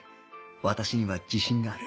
私には自信がある